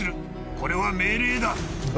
これは命令だ。